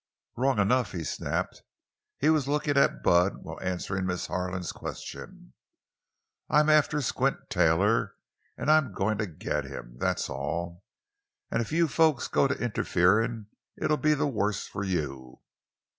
"Wrong enough!" he snapped. He was looking at Bud while answering Miss Harlan's question. "I'm after Squint Taylor, an' I'm goin' to get him—that's all! An' if you folks go to interferin' it'll be the worse for you!"